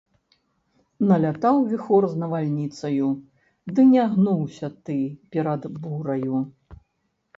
Налятаў віхор з навальніцаю, ды не гнуўся ты перад бураю!..